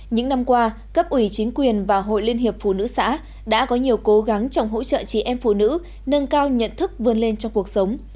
những năm qua cấp ủy chính quyền và hội liên hiệp phụ nữ xã đã có nhiều cố gắng trong hỗ trợ chị em phụ nữ nâng cao nhận thức vươn lên trong cuộc sống